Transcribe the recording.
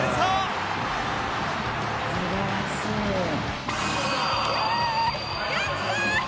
「すごい！」